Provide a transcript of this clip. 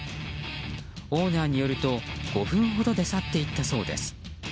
オーナーによると５分ほどで去っていったそうです。